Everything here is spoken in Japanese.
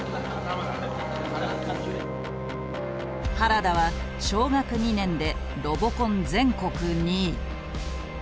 原田は小学２年でロボコン全国２位。